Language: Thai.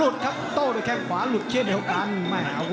ดู